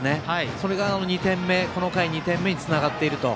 それがこの回の２点目につながっていると。